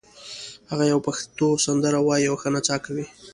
هغه یوه پښتو سندره وایي او ښه نڅا کوي